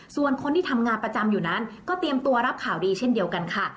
ส่วนคนที่ทำงานประจำอยู่นั้นก็เตรียมตัวรับข่าวดีเช่นเดียวกันค่ะ